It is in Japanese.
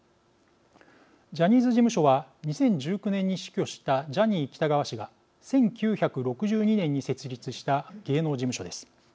ジャニーズ事務所は２０１９年に死去したジャニー喜多川氏が１９６２年に設立した芸能事務所です。